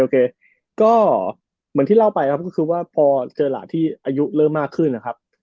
ก็เหมือนที่เล่าไปครับก็คือว่าพอเจอหลานที่อายุเริ่มมากขึ้นนะครับ